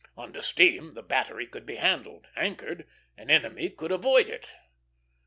Under steam, the battery could be handled; anchored, an enemy could avoid it.